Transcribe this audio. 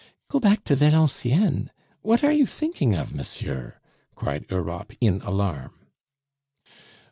"Go back to Valenciennes! What are you thinking of, monsieur?" cried Europe in alarm.